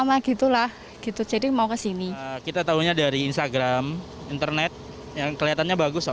menurut para usatawan ini adalah satu dari beberapa film terkenal di indonesia